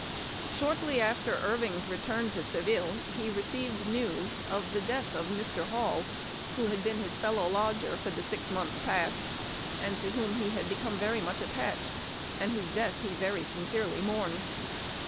Shortly after Irving's return to Seville, he received news of the death of Mr. Hall, who had had been his fellow lodger for the six months past, and to whom he had become very much attached, and whose death he very sincerely mourned.